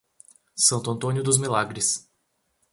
Santo Antônio dos Milagres